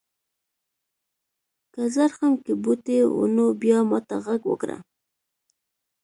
که زرخم کې بوټي و نو بیا ماته غږ وکړه.